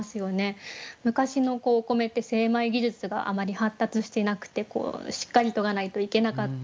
昔のお米って精米技術があまり発達していなくてしっかりとがないといけなかった。